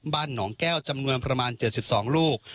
บ้านหนองแก้วจำนวนประมาณ๗๒ลูก